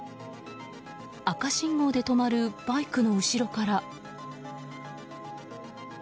赤信号で止まるバイクの後ろから。